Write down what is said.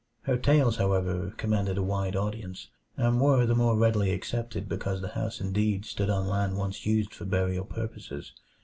Her tales, however, commanded a wide audience, and were the more readily accepted because the house indeed stood on land once used for burial purposes.